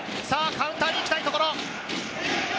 カウンターに行きたいところ。